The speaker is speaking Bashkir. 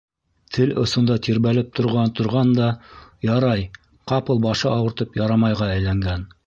Тел осонда тирбәлеп торған-торған да «Ярай», ҡапыл башы ауыртып, «Ярамай»ға әйләнгән...